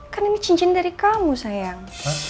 kan ini cincin dari kamu sayang